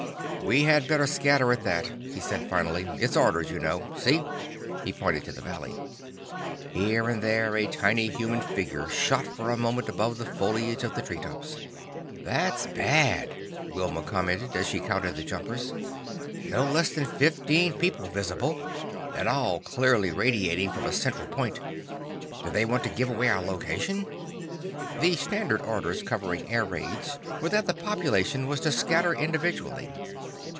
"We had better scatter, at that," he said finally. "It's orders, you know. See!" He pointed to the valley. Here and there a tiny human figure shot for a moment above the foliage of the treetops. "That's bad," Wilma commented, as she counted the jumpers. "No less than fifteen people visible, and all clearly radiating from a central point. Do they want to give away our location?" The standard orders covering air raids were that the population was to scatter individually.